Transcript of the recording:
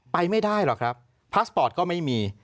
ไปไม่ได้หรอกครับพาสปอร์ตก็ไม่มี